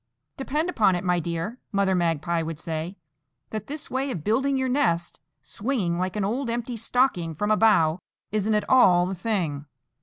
"Depend upon it, my dear," Mother Magpie would say, "that this way of building your nest, swinging like an old empty stocking from a bough, isn't at all the thing.